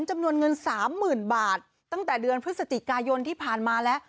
จำนวนเงินสามหมื่นบาทตั้งแต่เดือนพฤศจิกายนที่ผ่านมาแล้ว